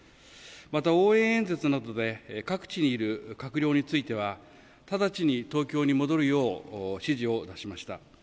また応援演説などで各地にいる閣僚については、直ちに東京に戻るよう指示を出しました。